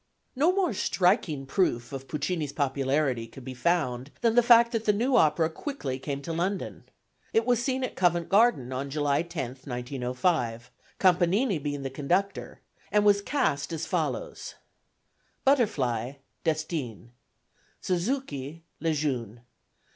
No more striking proof of Puccini's popularity could be found than the fact that the new opera quickly came to London. It was seen at Covent Garden on July 10, 1905, Campanini being the conductor, and was cast as follows: Butterfly DESTINN. Suzuki LEJEUNE.